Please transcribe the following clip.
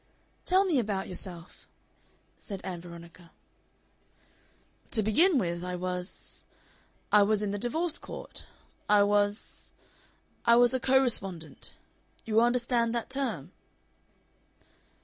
"Tell me about yourself," said Ann Veronica. "To begin with, I was I was in the divorce court. I was I was a co respondent. You understand that term?"